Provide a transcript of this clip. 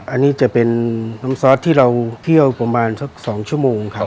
อันนี้จะเป็นน้ำซอสที่เราเคี่ยวประมาณสัก๒ชั่วโมงครับ